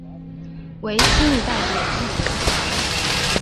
为新一代演艺人才。